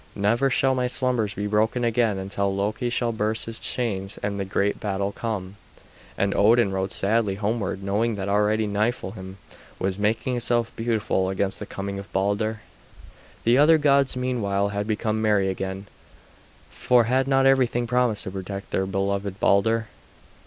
"Never shall my slumbers be broken again until Loki shall burst his chains and the great battle come." And Odin rode sadly homeward knowing that already Niflheim was making itself beautiful against the coming of Balder. The other gods meanwhile had become merry again; for had not everything promised to protect their beloved Balder?